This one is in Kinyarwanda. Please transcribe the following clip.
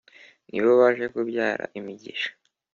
ni bo baje kubyara imigisha.